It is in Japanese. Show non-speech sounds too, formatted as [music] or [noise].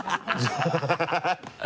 ハハハ [laughs]